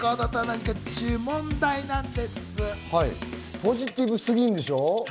ポジティブすぎるんでしょ？